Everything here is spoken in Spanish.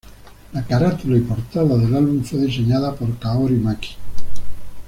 La carátula y portada del álbum fue diseñada por Kaori Maki.